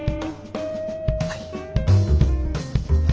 はい。